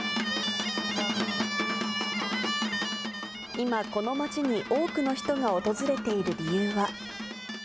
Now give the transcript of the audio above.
今、この町に多くの人が訪れている理由は。